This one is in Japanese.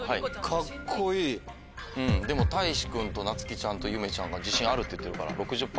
たいし君となつきちゃんとゆめちゃんが自信あるって言ってるから６０％や。